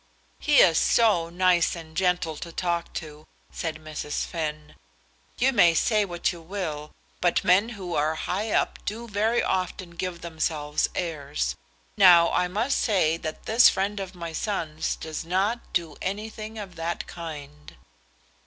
"He is so nice and gentle to talk to," said Mrs. Finn. "You may say what you will, but men who are high up do very often give themselves airs. Now I must say that this friend of my son's does not do anything of that kind."